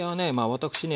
私ね